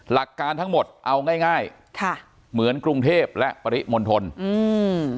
หลักการทั้งหมดเอาง่ายง่ายค่ะเหมือนกรุงเทพและปริมณฑลอืม